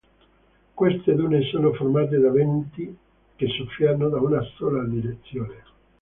Queste dune sono formate da venti che soffiano da una sola direzione.